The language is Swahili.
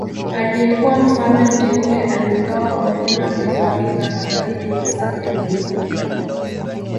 Aliyekuwa mfalme mteule aliuawa pamoja na mke wake na magaidi wa Serbia